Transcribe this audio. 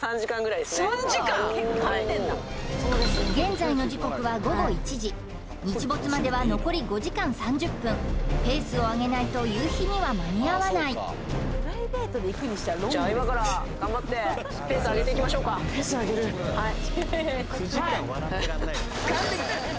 現在の時刻は午後１時日没までは残り５時間３０分ペースを上げないと夕日には間に合わないはい